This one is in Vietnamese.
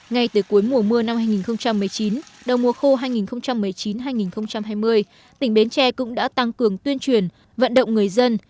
ngay từ cuối mùa mưa năm hai nghìn một mươi chín đầu mùa khô hai nghìn một mươi chín hai nghìn hai mươi tỉnh bến tre cũng đã tăng cường tuyên truyền vận động người dân